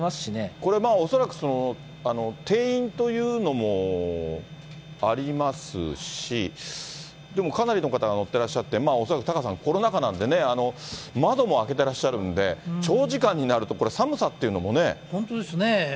これ、恐らく定員というのもありますし、でもかなりの方が乗ってらっしゃって、恐らくタカさん、コロナ禍なんでね、窓も開けてらっしゃるんで、長時間になるとこれ、本当ですね。